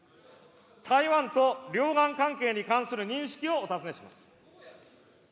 台湾と両岸関係に関する認識をお尋ねします。